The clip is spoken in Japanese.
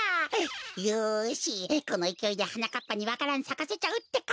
よしこのいきおいではなかっぱにわか蘭さかせちゃうってか！